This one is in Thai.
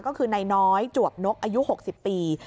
ก็คือนายน้อยจวบนกอายุ๖๐ปี